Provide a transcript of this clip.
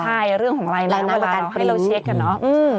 ใช่เรื่องของลายน้ำเวลาให้เราเช็คกันเนาะ